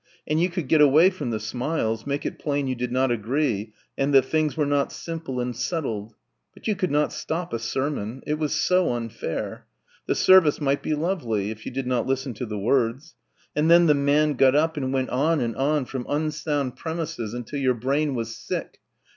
and you could get away from the smiles, make it plain you did not agree and that things were not simple and settled ... but you could not stop a sermon. It was so unfair. The service might be lovely, if you did not listen to the words; and then the man got up and went on and on from unsound premises until your brain was sick